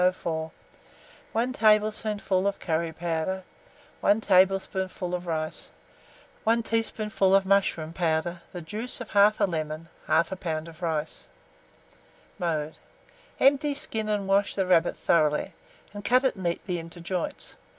104, 1 tablespoonful of curry powder, 1 tablespoonful of flour, 1 teaspoonful of mushroom powder, the juice of 1/2 lemon, 1/2 lb. of rice. Mode. Empty, skin, and wash the rabbit thoroughly, and cut it neatly into joints.